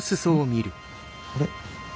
あれ？